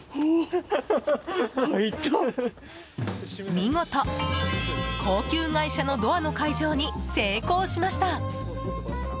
見事、高級外車のドアの解錠に成功しました。